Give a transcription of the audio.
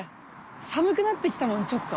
寒くなってきたもんちょっと。